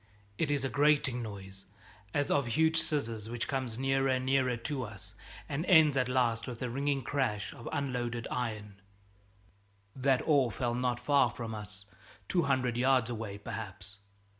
It is a grating noise as of huge scissors which comes near and nearer to us, and ends at last with a ringing crash of unloaded iron. That ore fell not far from us two hundred yards away, perhaps.